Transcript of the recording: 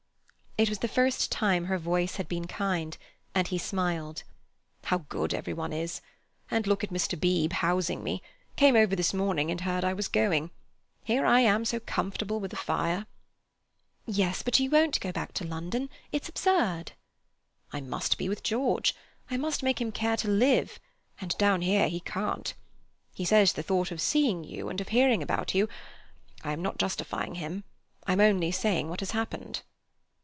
It was the first time her voice had been kind and he smiled. "How good everyone is! And look at Mr. Beebe housing me—came over this morning and heard I was going! Here I am so comfortable with a fire." "Yes, but you won't go back to London. It's absurd." "I must be with George; I must make him care to live, and down here he can't. He says the thought of seeing you and of hearing about you—I am not justifying him: I am only saying what has happened."